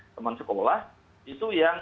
teman sekolah itu yang